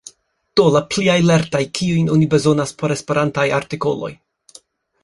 Do, la pliaj lertaj kiujn oni bezonas por esperantaj artikoloj.